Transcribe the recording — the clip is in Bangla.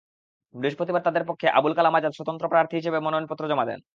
বৃহস্পতিবার তাঁদের পক্ষে আবুল কালাম আজাদ স্বতন্ত্র প্রার্থী হিসেবে মনোনয়নপত্র জমা দেন।